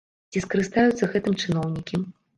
Ці скарыстаюцца гэтым чыноўнікі?